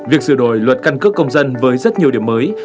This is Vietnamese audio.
việc sửa đổi luật căn cước công dân với rất nhiều điểm mới